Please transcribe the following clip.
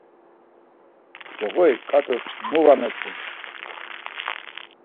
Coğorik ǩat̆us mu var meçu?